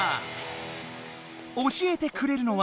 教えてくれるのは。